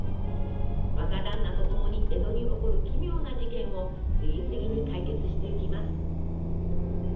若だんなと共に江戸に起こる奇妙な事件を次々に解決していきます！